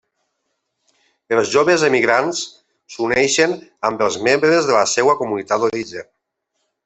Els joves emigrants s'uneixen amb els membres de la seva comunitat d'origen.